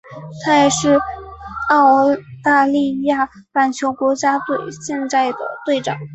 他也是澳大利亚板球国家队现在的队长。